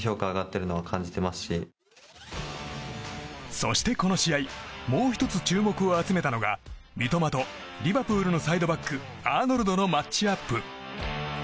そして、この試合もう１つ注目を集めたのが三笘とリバプールのサイドバックアーノルドのマッチアップ。